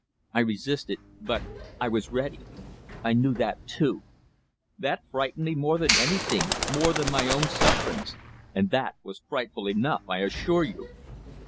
I resisted but I was ready. I knew that too. That frightened me more than anything; more than my own sufferings; and that was frightful enough, I assure you."